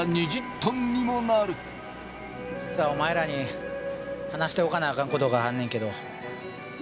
実はお前らに話しておかなあかんことがあんねんけど。